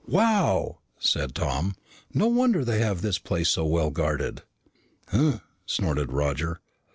"Wow!" said Tom. "No wonder they have this place so well guarded." "Humph," snorted Roger.